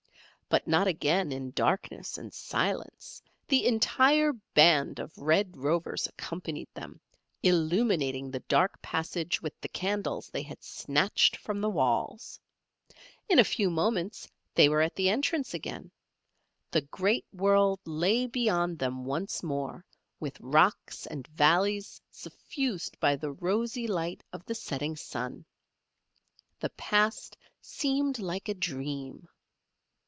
But not again in darkness and silence; the entire band of Red Rovers accompanied them, illuminating the dark passage with the candles they had snatched from the walls. In a few moments they were at the entrance again. The great world lay beyond them once more with rocks and valleys suffused by the rosy light of the setting sun. The past seemed like a dream.